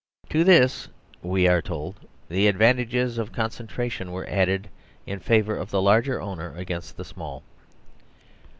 To this (we are told) the advantages of concentration were added in favour of the large owner against the small.